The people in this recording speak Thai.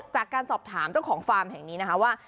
จากการสอบถามเจ้าของฟาร์มแห่งนี้นะคะว่า